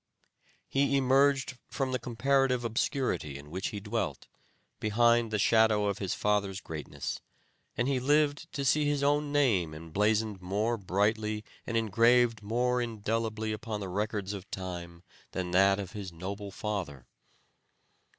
He emerged from the comparative obscurity in which he dwelt, behind the shadow of his father's greatness, and he lived to see his own name emblazoned more brightly and engraved more indelibly upon the records of time than that of his noble father.